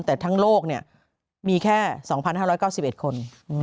แต่ทั้งโลกมีแค่๒๕๙๑คน